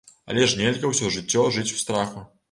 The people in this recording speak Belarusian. Але ж нельга ўсё жыццё жыць у страху.